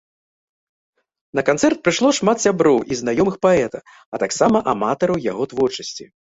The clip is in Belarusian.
На канцэрт прыйшло шмат сяброў і знаёмых паэта, а таксама аматараў яго творчасці.